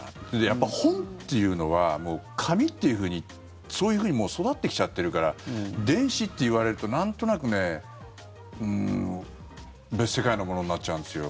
やっぱり本っていうのはもう紙っていうふうにそういうふうに育ってきちゃってるから電子って言われるとなんとなくね別世界のものになっちゃうんですよ。